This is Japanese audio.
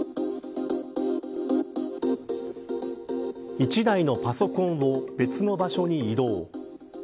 １台のパソコンを別の場所に移動。